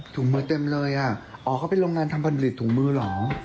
ถุงมือเต็มเลยอ่ะอ๋อเขาเป็นโรงงานทำผลิตถุงมือเหรอ